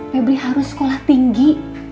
febri harus sekolah tinggi